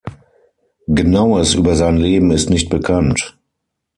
Genaues über sein Leben ist nicht bekannt.